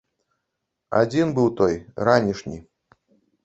Адзін быў той, ранішні.